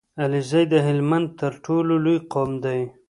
عليزی د هلمند تر ټولو لوی قوم دی